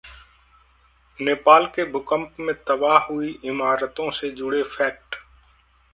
नेपाल के भूकंप में तबाह हुई इमारतों से जुड़े फैक्ट